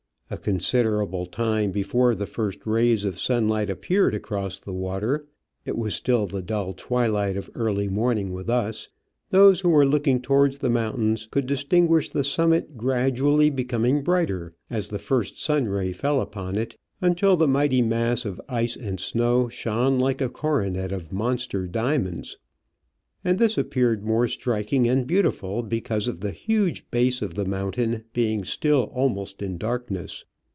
A considerable time before the first rays of sunlight appeared across the water — it was still the dull twilight of early morning with us — those who were looking towards the mountains could distinguish the summit gradually become brighter as the first sun ray fell upon it, until the mighty mass of ice and snow shone like a coronet of monster diamonds, and this appeared more striking and beautiful because of the huge base of the mountain being still almost in darkness.